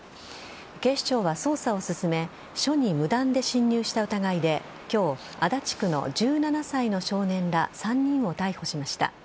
警視庁は捜査を進め署に無断で侵入した疑いで今日足立区の１７歳の少年ら３人を逮捕しました。